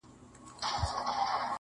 چي قاضي ته چا درنه برخه ورکړله.